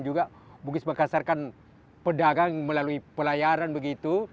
juga bugis mengkasarkan pedagang melalui pelayaran begitu